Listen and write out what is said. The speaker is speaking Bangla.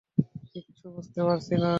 কিচ্ছু বুঝতে পারছি না!